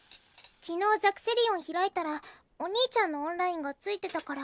昨日ザクセリオン開いたらお兄ちゃんのオンラインがついてたから。